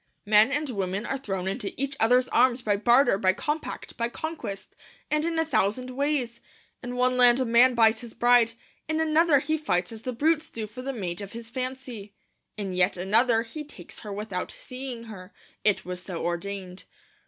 Men and women are thrown into each other's arms by barter, by compact, by conquest, and in a thousand ways. In one land a man buys his bride; in another he fights as the brutes do for the mate of his fancy; in yet another he takes her without seeing her, it was so ordained.